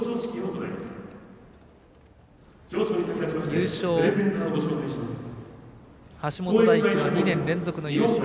優勝、橋本大輝は２年連続の優勝。